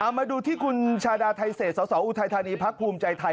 มาดูที่คุณชาดาไทเศษสสออุทัยธานีพักภูมิใจไทย